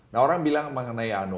nah orang bilang mengenai anu